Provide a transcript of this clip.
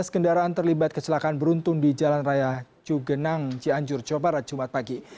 dua belas kendaraan terlibat kecelakaan beruntun di jalan raya cugenang cianjur jawa barat jumat pagi